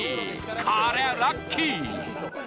これはラッキー。